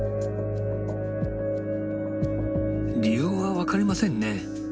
理由は分かりませんね。